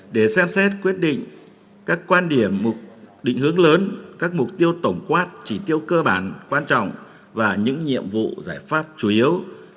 để xem xét quyết định các quan điểm định hướng lớn các mục tiêu tổng quát chỉ tiêu cơ bản quan trọng và những nhiệm vụ giải pháp chủ yếu